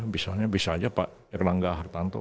bisa aja pak yerlangga hartanto